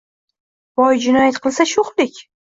Boy jinoyat qilsa-“sho’xlik”.